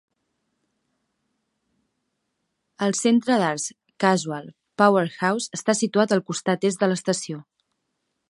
El centre d'arts Casula Powerhouse està situat al costat est de l'estació.